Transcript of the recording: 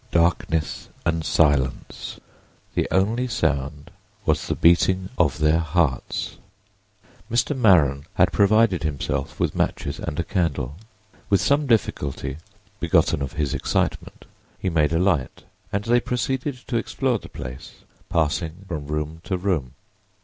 Darkness and silence! The only sound was the beating of their hearts. Mr. Maren had provided himself with matches and a candle. With some difficulty, begotten of his excitement, he made a light, and they proceeded to explore the place, passing from room to room.